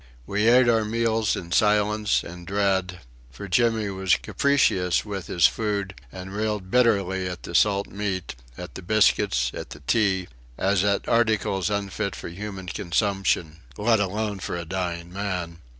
We ate our meals in silence and dread, for Jimmy was capricious with his food, and railed bitterly at the salt meat, at the biscuits, at the tea, as at articles unfit for human consumption "let alone for a dying man!"